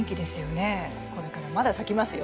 これからまだ咲きますよ。